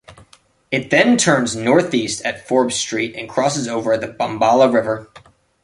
It then turns northeast at Forbes Street and crosses over the Bombala River.